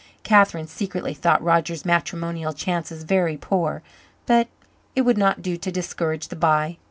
Catherine secretly thought Roger's matrimonial chances very poor, but it would not do to discourage the b'y.